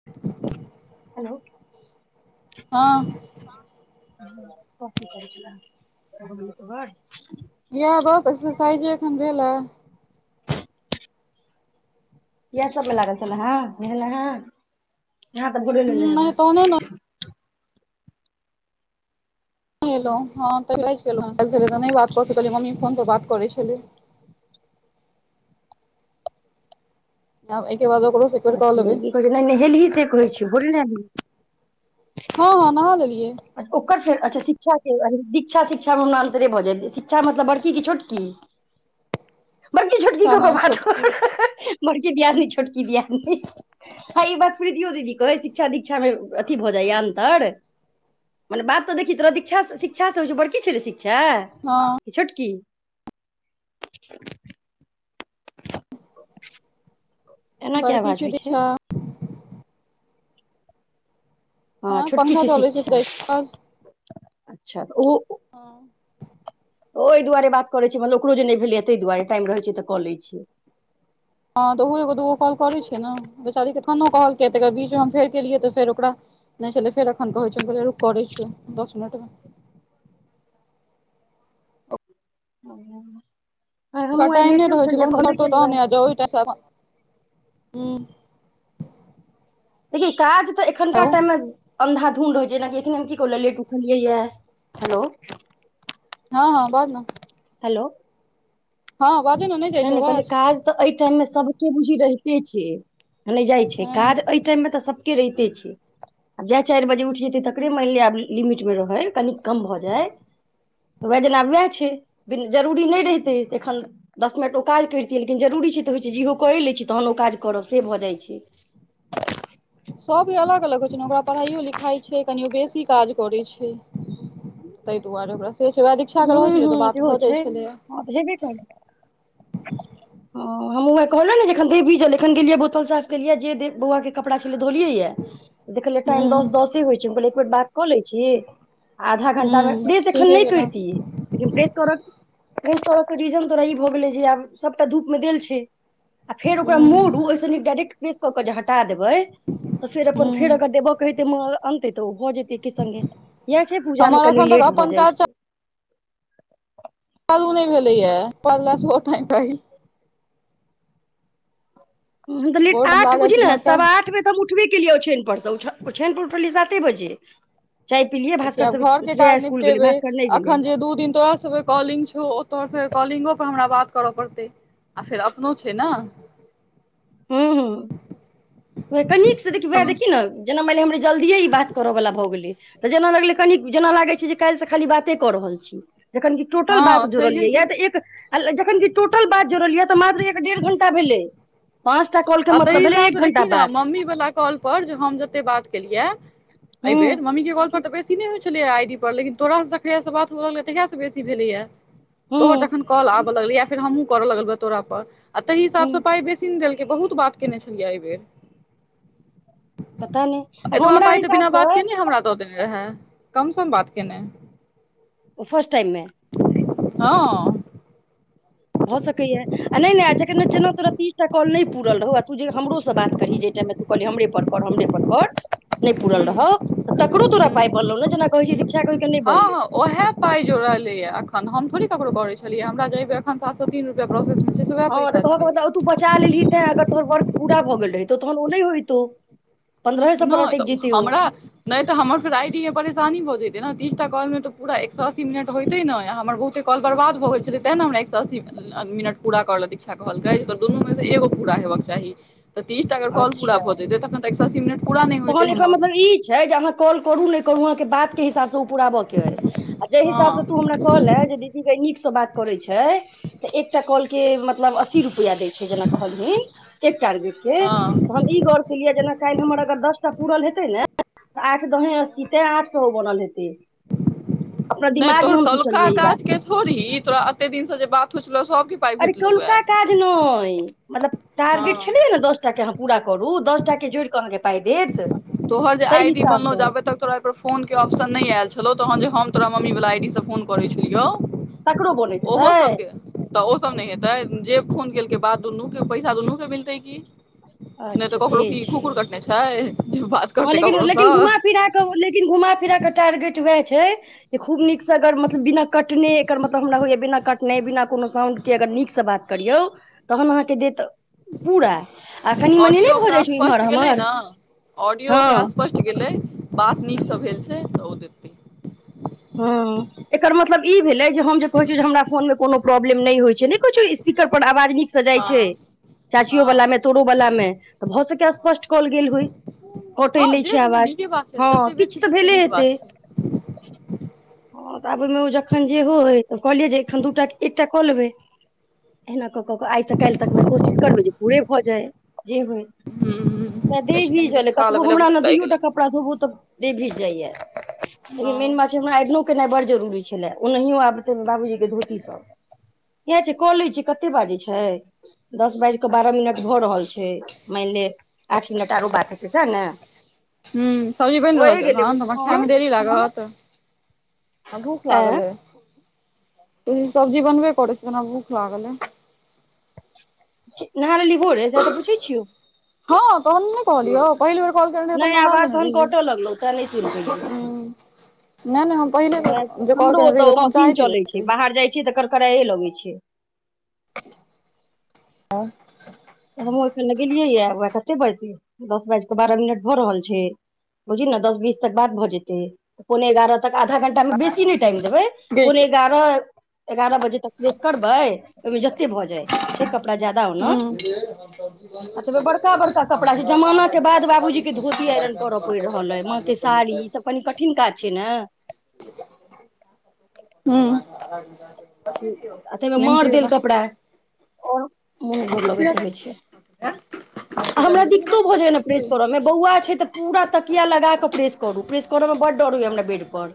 [inaudible] Hello हँ कोथि करे छला [unintelligible] इएह बस एक्सरसाइजे एखन भेल ह इएह सब मे लागल छल हं ह नेहाल है यहाँ त भोरे नहि नेहबई तहने ने ल ह त बात कऽ स मम्मी फोन पर बात करे छलै आब एके बाद औकरो अच्छ की कहै छै न नहि नहेली से कहैए छियौ बुझलही हँ हँ नहा लेलियै ओकर फेर अच्छा शिक्षा के दीक्षा शिक्षा मे हमरा अन्तरे भऽ जाय शिक्षा मतलब बड़की कि छोटकी बड़की छोटकी दीक्षा कऽ कऽ मने बात छोटकी कर बड़की दियादनी छोटकी दियादनी हय ई बात प्रीतीयो दीदी कहै शिक्षा दीक्षा मे अथी भऽ जाइया अन्तर मने बात तऽ देखही तोरा दीक्षा से शिक्षा होइ छै बड़की छै ने शिक्षा हाँ कि छोटकी एना किया बड़कि आवाज छै होइ दिक्षा हाँ हँ छोटकी पंखा छै चलै शिक्षा जाइ छै अच्छा तऽ उ हाँ ओहि दुआरे बात करैत छी मलब ओकरो जे नहि भेलै तहि दुआरे टाइम रहैत छै तऽ कऽ ल छियै हाँ तऽ ओहो एगो दूगो कॉल करै छै ने बेचारीके खनो कहल किय तऽ एक बीचमे हम फेर केलियै तऽ फेर ओकरा नहि छलै फेर एखन कहैत छल हम कहहिलै रुक करै छियौ दस मिनटमे ओ ओकरा एने होइ छै कन घरत केलहुँ हेँ तहने आ जा ओहि ह देखि काज तऽ एखनका हेलो टाइममे अन्धा धुन रहै जेना की ऐखने हम की कहुँ लेट उठलियैै है हलो हाँ हाँ बाज न हेलो हाँ बाजे न नहि जाइ नहि छौ नहि कहलिय आवाज काज तऽ एहि टाइम मे सबके बुझि रहिते छै नहि जाइ छै काज हँ एहि टाइममे तऽ सबके रहिते छै आ जाए चार बजे उठि जेतै तकरे मान लिअ आब लिमिटमे रहै कनी कम भऽ जाय उएह जेना उएह छै जरूरी नहि रहितै तऽ एखन दस मिनट ओ काज करितियै लेकिन जरूरी छै तऽ होइत छै जेहो करै लै छी तहन ओ काज करब से भऽ जाइ छै सब भी अलग अलग होइ छै ने ओकरा पढ़ाइयो लिखाइ छै कनी ओ बेसी काज करै छै तहि दुआरे शिक्षा के रहै छलै तऽ बात भऽ जाइ छलैय हभ भी कर [unintelligible] हँ हम उह कहलहु ने जेखन दे भीजल एखन गेलियै बोतल साफ केलियै जे बौआ के कड़ा छले धोलियै ये देखलियै टाइम हूँ दस दसे होइ छै कहल एक बेर बात कऽ लै छी आधा घंटा मे हूँ प्रेस एखन ठीके नहि केलहुँ करितियै लेकिन प्रेस प्रेस तके रीजन तोरा ई भऽ गेलै जे आब सबटा धूपमे देल छै आ फेर ओक मूरू हूँ ओहि से नीक डायरेक्ट प्रेस कऽ कऽ जे हटा देबै तऽ फेर अपन हूँ फेर अगर देबऽ कहेते म अनतै तऽ ओ भ जेतै के संगे इएह छै पूजा मे हमर कनि एखन तक लेट भऽ अपन जाइ काज छै पालू नहि भेले ये पलल [unintelligible] तऽ लेट बोर्ड हम आठ लागल बुझि छी ने इम्हरका सवा आठमे दम उठबे केलियै ओछैन परसे ओछैन पर उठलियै साते बजे चाय पिलियै देखि भास्कर आब सब घर के श्रेया काज स्कुल गेलै निपटेबे भास्कर नहि गेलै अखन जे दू दिन तोरा सँ बत कॉलिंग छौ ओ तोरसे कॉलिंगो पर हमरा बात करऽ पड़तै आ फेर अपनो छै ना हाँ हाँ क नीकसँ देखियौ भए एखनो देखी ने जेना मानि हमरा जल्दिए ई बात करऽवला भऽ गेलै तऽ जेना लगलै कनि जेना लागै छै जे काल्हिसे खाली बाते कऽ रहल छी जखन कि टोटल बात हँ छैहे जोड़लियै ये की तऽ एक जखन कि टोटल बात जोड़ल यऽ तऽ मात्र एक डेढ़ घण्टा भेलै पाँचटा काॅल आ तहि हिसाब सँ देखही ने मम्मी वाला कॉल पर जे हम जते बात केलियै एहि हूं बेर मम्मी के कॉल पर तऽ बेसी ई नहि होइ छलैए आईडी पर लेकिन तोरासे देखैयासँ बात होै तहिया बेसी भेलैया तोहर हूं जखन कल आबय लगलै या फेर हमहुँ करऽ लगबौ तोरा पर आ ताहि हिसाब हूं स पाइ बेसी ने देलकै के बहुत बात केने छलियै एहि बेर पता नहि एतबा हमरा पाइ तऽ बिना बात हिसाबसँ केने हमरा तऽ ओ देने रहै कम सम बात केने ओ फर्स्ट टाइममे हँ हुँ भऽ सकैए ये आ नहि नहि आ ज जेना तोरा तीसटा कॉल नहि पूुरल रहौ आ तू जे हमरोसँ बातही जाहि इमे तू कहली हमरेप कर हमरेपर कर नहि पूुरल हुँ रहौ तकरो तोरा पाय बनलौ ने जेना कहै छै दीक्षा कहि के ओहिके नहि हँ बनलै ह ओहे पाइ जोड़लेए अखन हम थोड़ी ककरो करे छलियै हमरा जेबे एखन सात सौ तीन रुपैया प्रोसेस मे छै से वएह हँ तऽ पैसा कहऽ के छै मतलब तू बचा लेलही ते अगर तोहर वर्क पूरा भऽ गेल रहहि तौ तहन ओ नहि होइतौ पन्द्रहे सौ पर नहि अटकि तऽ जैतै ओ हमरा नहि तऽ हमर आइडी मे परेशानी भऽ जैयतै नऽ तीसटा कॉल मे तऽ पुरा एक सौ अस्सी मिनट होयेत नै हमर बहुते कॉल बर्बाद भऽ गेल छलै ते ने हमरा एक सए अस्सीमे आ मिनट पूरा करलत इच्छा कहलकै दुनू मे से एगो पूरा हेबाक चाही तऽ तीसटा अगर कॉल पूरा अच्छा भऽ जेतै तखन तऽ एक सौ अस्सी मिनट पूरा नहि होइतै तहन एकर हमर मतलब ई छै जे अहाँ कॉल करू नहि करू अहाँके बात के हिसाब से ओ पुराबऽ के अय आ जाहि हिसाब से तू हँ हमरा कहलें जे दीदी गै नीक से बात करै छै तऽ एकटा कॉल के मतलब अस्सी रुपैआ दै छै जेना कहलिन एक टारगेट तऽ हँ हम ई गौर केलियै जेना काल्हि हमर अगर दस टा पुरल हेतै ने आठ दाहें अस्सी तेँ आठ सए ओ बनल हेतै अपना नहि दिमाग तोहर मे हम कौलका सोचलियै ई बात काज के थोड़ही ई तोरा एते दिन से जे बात हो छलौए सबके पाइ अरे भेटलौ ए कौलका काज नहि मतलब हँ टारगेट छलैये नऽ दस पूरा करू दसटा के जोड़ि कऽ अहाँके पाइ देत तोहर जे ताहि आई डी बनलौ हिसाबसँ जाबे तक तोरा पर फोन के ऑप्शन नहि आयल छलौ तहन जे हम तोरा मम्मी वला आई डी से फोन करैत छेलियौ तकरो बनैत ओहो हेतै सबके तऽ ओ सब नहि हेतै जे फोन केलकै बात दुनू के पैसा दुन्नू के मिलतै की नहि तऽ अच्छा से ककड़ो की छै कुकुर कटने छै जे बात हँ करतै लेकिन ककरोसँ लेकिन घुमा फिरा कऽ लेकिन घुमा फिरा कऽ टारगेट उएह छै खूब नीक सँ अगर मतलब बिना कटने एकर मतलब हमरा होइय बिना कट नै बिना कोनो साउंड के अगर निक सँ बात करियौ तहन अहाँके देत पूरा आ कनि मनि नहि ऑडियो भऽ ओकरा जाइत छै इम्हर स्पष्ट गेलै आम्हर ने ऑडियो ओकरा स्पष्ट गेलै बात नीकसँ भेल छै तऽ ओ दे हँ एकर मतलब ई भेलै जे हम जे कहै छियै जे हमरा फोनमे कोनो प्रॉब्लम नहि होइ छै नहि किछु स्पीकर पर आवाज नीक सँ जाइ हँ छै चाचियो हँ वाला मे तोरो वाला मे तऽ भऽ सके स्पष्ट कॉल गेल होइ कटै हँ नहि जे छै भेलै आवाज नीके बात छै हँ जते किछु बेसी तऽ देलकै भेले नीक हेतै बात छै हँ तऽ आब ओमे ओ जखन जे होय त कहलियै जे एखन दू एकटा कऽ लेबै एहिना कऽ कऽ केऽ आइसँ काल्हि तकमे कोशिश करबै जे पूरे भऽ जाय जे होय ह देह छै कनि भीजल किछु अय खा कतबो लेबै लए हमरा भूख ले लागि दूइयोटा गेलै कप पड़ा धोबू तऽ देह भीज जाइये हँ मेन बात छै ने इहो केनाइ बड़ जरूरी छेलै ओहि आबते बाबूजी के धोती सब इहे छै कऽ लै छियै कत्ते बाजै छै दस बाजि कऽ बारह मिनट भऽ रहल छै मानि ले आठ मिनट आरो बात हेतै सएह ने हम्म सब्जी बनि होए रहल छै एखन गेलै बौ। तऽ हमरा हँ खायमे देरी लागत भूख लागल ऐं अय तहिमे सब्जी बनबे करै छै तऽ हमरा भूख लागल अय नहे लेलही भोेरे सैह तऽ पुछै छियौ हँ तहने नै कहलियौ पहिल बेर कॉल केने रहियौ तऽ नहि हम नहा आवाज लेने तहन कटऽ लगलौ तें नहि सुनि रहियै पेलियौ हम्म नहि नहि हम पहिले बेर वएह तऽ जे कॉल हमरो केने ओतऽ ओ रहियौ तऽ हम चाय मशीन पीबै चलै बाहर जाइ छियै तऽ कर करड़ाइे लगै छै आओर तऽ हमहुँ अखन लगेलियै ए वैह कते बाजै छै दस बाजि कऽ बारह मिनट भऽ रहल छै बुझही न दस बीस तक बात भऽ जेतै पौने एगारह तक आधा घंटा मे बेसी नहि टाइम देबै गै पौंने गे एगारह एगारह बजे तक प्रेस करबै ओहिमे जते भऽ जाय छै कपड़ा ज्यादा ओना एलियै [unintelligible] आ तहिमे बड़का बड़का कपड़ा छै जमानाके बाद बाबूजीक के धोती आइरन करय पड़ि रहल अय माँके साड़ी कनि कठिन काज छै ने हुँ आ ताहीमे माँड़ निमकी देल वला कपड़ा आओर मोन घोर लगैत रहैत छै आ हमरा दिक्कतो भऽ जायए ने प्रेस करऽमे बौआ छै तऽ पूरा तकिया लगा कऽ प्रेस करू प्रेस करऽ मे बड्ड डर होइये हमरा बेड पर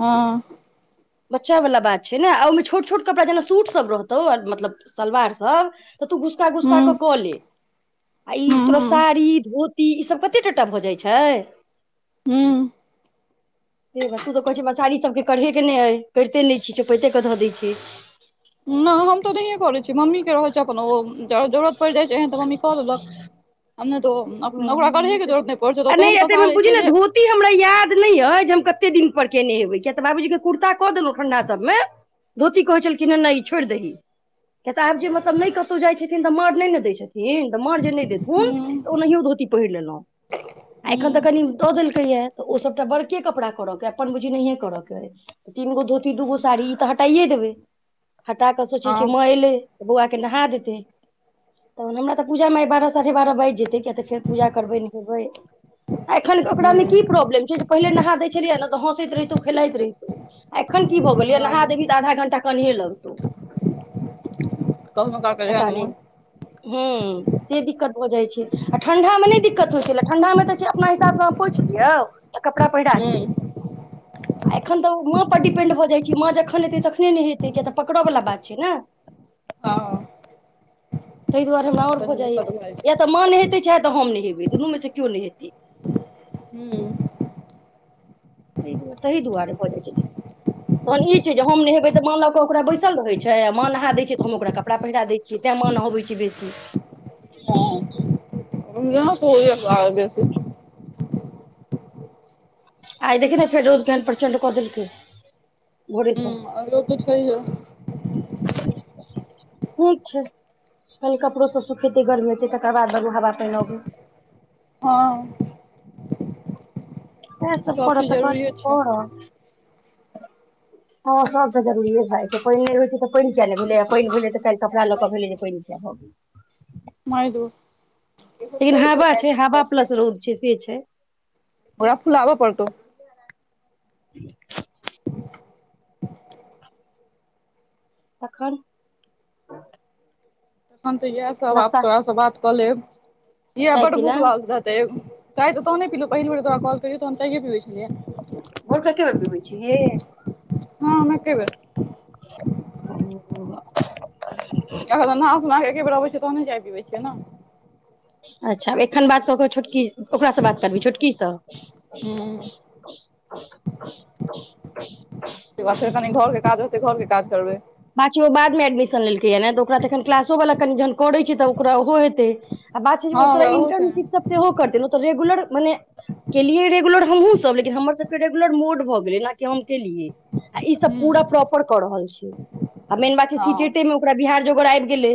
हँ बच्चा वला बात छै ने ओहिमे छोट छोट कपड़ा जेना सूटसभ रहतौ मतलब सलवारसभ तऽ तू गुसका गुसका क हुँ कऽ ले आ ई हुँ तोरा हुँ साड़ी धोती ती ईसभ कते टटा भऽ जाइत छै हुँ से बात तू तऽ कहै छै हमरा सारी सभके करेहय के ने अय करिते नहि छी चोपैते क धऽ दै छी नहि हम तऽ नहियए करै छीय मम्मी के रहैत छै अपन ओ जरूरत परिजाय छै एन तऽ मम्मी कऽ देलक हम नहि तऽ ओ ओकरा हँ, करहेके जरूरत नहि पड़ै छै तऽ तेहन पसारे से जे ई हमरा याद नहि अ जे हम कते दिन पर केने हेबै किया तऽ बाबूजी के कुर्ता कऽ देलहुँ ठंडा सबमे धोती कहेछल कि नहि नहि ई छोड़ि दही किया तऽ आब जे मतलब नहि कतहु जाइ छथिन तऽ मांर नहि ने दै छथिन मांर जे नहि देथुन हुँ ओनाहियो धोती पहिर लेलों हुँ अखन तऽ कनि दऽ देलकै या तऽ ओ सबटा बड़के कपड़ा करऽ के अपन बुझी नहिये करऽ के तीन गो धोती दूगो हुँ साड़ी ई तऽ हटाइए देबै हटा कऽ सोचै छैै हँ माँ एलै तऽ बौआ के नहा देतै तहन हमरा तऽ पूजामे बारह साढ़े बारह बाजि जेतै किया तऽ फेर पूजा करबै नहेबै आ एखन ओकरा मे हुँ की प्राब्लेम छै जे पहिले नहा दै छलियै ने तऽ हँसैत रहितु खेलाइत रहितो एखन की भऽ गेल य नहा हँ देबी तऽ आधा घंटा कानेहि लगतौ कहखनो क क झन मन [inaudible] हुँ से दिक्कत भ जाइ छै आ ठंडामे नहि दिक्कत होइ छलै ठंडामे तऽ छै अपना हिसाबसँ अहाँ पछि दियौ आ कपड़ा पहिरा दियौ हँ [unintelligible] आ एखन तऽ माँ पर डिपेंड भऽ जाइत छै माँ जखन एतै तखने नहेतै कियाक तऽ पकड़यवला बात छै ने हँ ताहि दुआरे हमरा आओर बड भऽ जाइया दिक्कत भ जाइ या छै तऽ मान हेतै चाहे तऽ हम नहि हेबै दुनू मे सँ केओ नेहेतै हुँ तहि दुआरे भ जाइत छै तहन ई छै जे हम नहेबे त माँ ल के ओकरा बैसल रहे छै आ ममाँ नहा देय छै त हम ओकरा कपड़ा पहिरा देय छिय तऽ माँ नहबै छै बेसी प आस [inaudible] आइ देखिन ते फेर रोद केहन प्रचण्ड क देल कै भोरसँ आआरो कुछ कहियो ह [inaudible] ठीक छै कनि कपड़ो सब सुखेतै गर्मी हेते तकर बाद हवा पाइन अबै हाँ साह सब कर चीज तऽ कथि जरूरिये छै करत हाँ सब जरूरीए भ जाइ छै पाइन नहि रह छैऽ पाइन किया नहि भेलै आ पानि भेलै तऽ काल कपड़ा लऽ कऽ भेलै जे पानि किया भ गेलय मारि दैबउ लेकिन हवा छै हवा प्लस रौद छै से छै ओकरा फूलाबऽ पड़तौ [unintelligible] तखन हम तऽ इएहसब आब नाश्ता तोरासे बात कऽ लेब किया चाय बड्ड भूख पीलौं लागल रहतै चाय तह ओतह नहि पीलहुँ पहि बे तोरा कॉल केलियो त हम चाययए पीबै छलियै भोरका क एकै बेर पीबै छीहि हँ हम एके बेर ओ- अ - अखन नहा सुना क एके बेर अब छीयै तहने चाय पीबै छियै ना अच्छा एखन बात कक छोटकी ओकरासँ बात करबी छोटकीसँ हूँ तऽ बाद फेर कनि घरके काज होतै घरके काज करबै पाछु ओ बादमे एडमिशन लेलकै ने तऽ ओकरा तखन क्लासोवला कनि जखन करै छी तऽ ओकरा ओहो हेतै आ बात छै हँ तोरा ओकरा ओहो छै इन्टर्नशिप सेहो करते तऽ रेगुलर मने केलियै रेगुलर हमहुँ सभ, लेकिन हमर सभके रेगुलर मोड भऽ गेलै ने, की हम केलियै आ ई सभ पूरा हूँ प्रॉपर कऽ रहल छीयै आ मेन बात छै हँ सीटेटे मे ओकरा बिहार जोगर आबि गेलै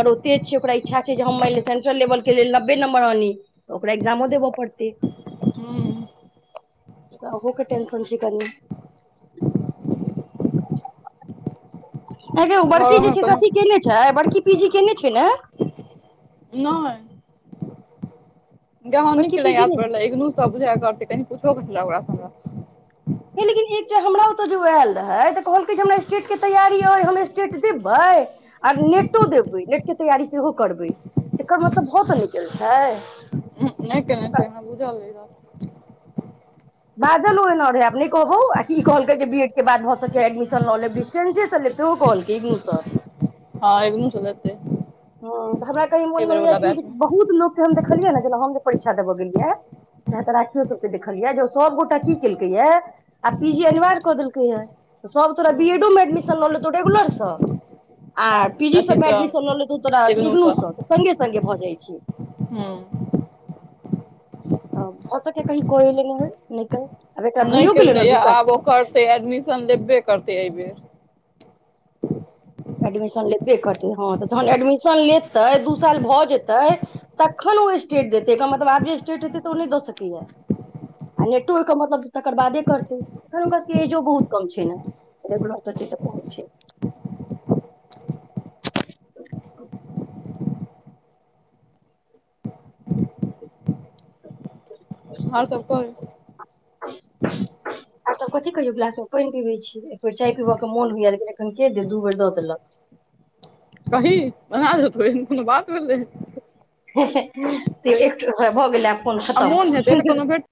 तऽ ओते छै ओकरा इच्छा छै जे हम मान लअ सेन्ट्रल लेवलके लेल नब्बे नम्बर आनी तऽ ओकरा एग्जामो देबऽ पड़तै ह्म आगूके टेंशन छै कनिया एगे ओ बड़की जे घरोमे छै से कोनो ओथी केने छै बड़की पीजी केने छै ने नै जहो बड़की निकलै पीजी याद नहि पड़लै, ई सभ बुझा कनि पूछू के छल ओकरासँ हमरा लेकिन एकटा हमरा ओतऽ जे आयल रहै तऽ कहलकै जे हमरा स्टेटके तैयारी छै हम स्टेट देबै आ नेटो देबै नेटके तैयारी सेहो करबै एकर मतलब भट नै गेल छै नहि केने अछि हमरा बूझल नहि अछि बाजल ओ एना रहै आब नहि कहू आ की कहलकै जे बीएडके बाद भऽ सकै एडमिशन लऽ लेब साइन्ससँ लेते आहो कहलिके इग्नूसँ हाँ इग्नूसँ लैतै हँ तऽ हमरा कही मोनमे होइया कि बहुत लोकके हम देखलियै ने जेना हम जे परीक्षा देबऽ गेलियै च तऽ राखियो सभके देखलियै जे ओ सभगोटा की केलकै च तऽ राखियो सभके देखलियै जे ओ सभगोटा की केलकै आ सभ तोरा हूँ बीएडोमे एडमिशन लऽ लेतौ रेगुलरसँ आ पीजी सभमे अथीसँ एडमिशन लऽ लेतौ तऽ तोरा अथि इग्नूसँ तऽ से सङ्गे सङ्गे भऽ जाइ छै ह्म तऽ हो सकै जे कही कहै लेल नहि हो नहि कह आब एकरा भैयो गेलै ने दुइ साल तऽ एडमिशन लेबे करतै एहिबेर एडमिशन लेबे करतै हँ तऽ जहन एडमिशन लेतै दू साल भऽ जेतै तखन ओ स्टेट देतै मतलब आब जे स्टेट हेतै तऽ ओ नहि दऽ सकैतै आ नेटो ओहिके मतलब तकर बादे करतै एखन हुनका सभके एजो बहुत कम छै ने रेगुलरपर छै [inaudible] आर सभ कही तऽ कथी कहहियौवला सभ पानि पीबैत छीय एक बेर चाय पीबऽके मन होय लेकिन एखन के दे दू बेर देलक कही बना दे तऽ कोनो बात भले से भऽ गेलै फोन आ मोन हेतै खत्म तऽ कोनो भेट